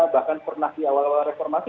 bahkan pernah di awal awal reformasi